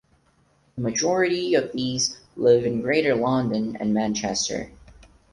The majority of these live in Greater London and Manchester.